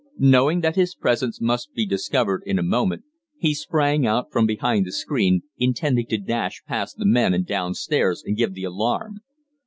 Knowing that his presence must be discovered in a moment, he sprang out from behind the screen, intending to dash past the men and downstairs and give the alarm.